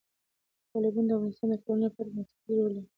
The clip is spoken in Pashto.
تالابونه د افغانستان د ټولنې لپاره بنسټيز رول لري.